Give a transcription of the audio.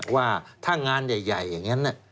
ว่าถ้างานใหญ่อย่างนั้น